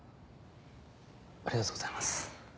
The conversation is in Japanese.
ありがとうございます。